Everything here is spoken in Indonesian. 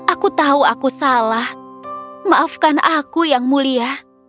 aku tahu aku salah maafkan aku yang mulia